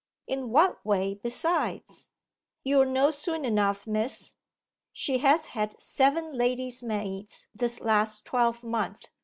'In what way besides?' 'You'll know soon enough, miss. She has had seven lady's maids this last twelvemonth.